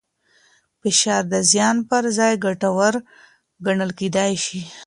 فشار د زیان پر ځای ګټور ګڼل کېدای شي.